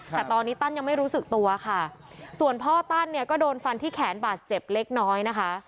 แต่ตอนนี้ตั้นยังไม่รู้สึกตัวค่ะส่วนพ่อตั้นเนี่ยก็โดนฟันที่แขนบาดเจ็บเล็กน้อยนะคะ